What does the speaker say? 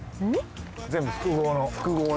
全部複合の。